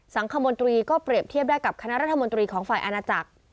สังคมนตรีก็เปรียบเทียบได้กับคณะรัฐมนตรีของฝ่ายอาณาจักร